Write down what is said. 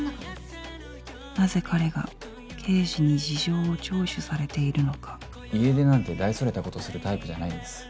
なぜ彼が刑事に事情を聴取されているのか家出なんて大それたことするタイプじゃないんです。